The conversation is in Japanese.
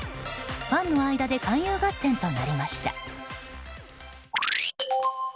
ファンの間で勧誘合戦となりました。